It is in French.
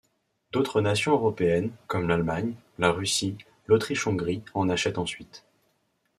D'autres nations européennes, comme l'Allemagne, la Russie, l'Autriche-Hongrie en achètent ensuite.